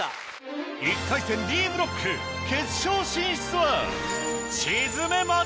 １回戦Ｄブロック決勝進出はあ。